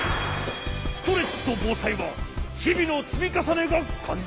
ストレッチとぼうさいはひびのつみかさねがかんじん！